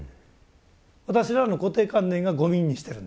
私らの固定観念がゴミにしてるんですね単に。